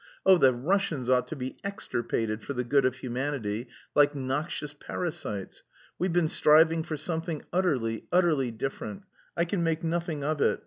Oh, the Russians ought to be extirpated for the good of humanity, like noxious parasites! We've been striving for something utterly, utterly different. I can make nothing of it.